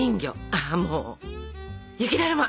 あもう「雪だるま」。